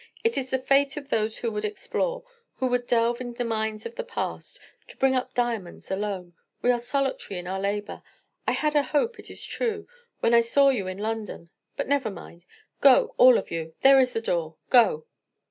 It is the fate of those who would explore, who would delve in the mines of the past, to bring up diamonds alone; we are solitary in our labor. I had a hope, it is true, when I saw you in London; but never mind. Go, all of you; there is the door—go!"